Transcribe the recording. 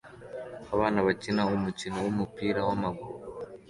Abana bakina umukino wumupira wamaguru